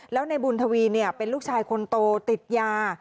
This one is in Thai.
แล้วนายบุญทวีเนี่ยเป็นลูกชายคนโตติดยา